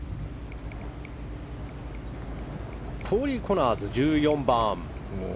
コーリー・コナーズ１４番。